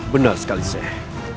benar sekali sheikh